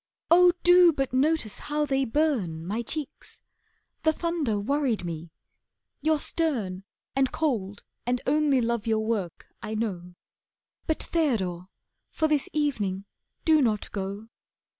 Oh, do but notice how they burn, My cheeks! The thunder worried me. You're stern, And cold, and only love your work, I know. But Theodore, for this evening, do not go."